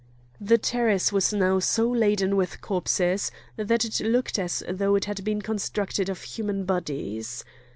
The terrace was now so laden with corpses that it looked as though it had been constructed of human bodies.